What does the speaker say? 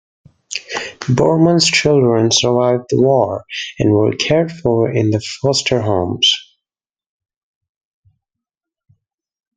Bormann's children survived the war, and were cared for in foster homes.